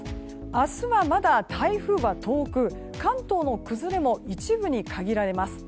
明日は、まだ台風は遠く関東の崩れも一部に限られます。